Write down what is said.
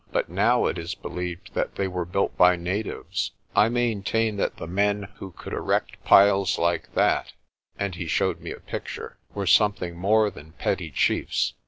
But now it is believed that they were built by natives. I maintain that the men who could erect piles like that" and he showed me a picture "were some thing more than petty chiefs."